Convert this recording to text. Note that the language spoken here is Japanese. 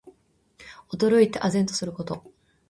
驚いて呆然とすること。